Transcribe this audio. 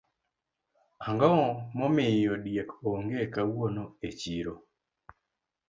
Ango momiyo diek onge kawuono e chiro